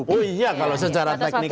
oh iya kalau secara teknik